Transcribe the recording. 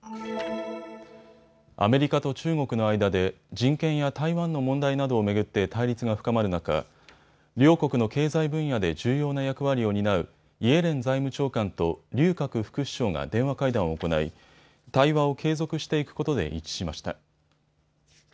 アメリカと中国の間で人権や台湾の問題などを巡って対立が深まる中、両国の経済分野で重要な役割を担うイエレン財務長官と劉鶴副首相が電話会談を行い、対話を継続していくことで一致しました。